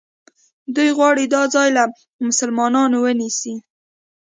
دوی غواړي دا ځای له مسلمانانو ونیسي.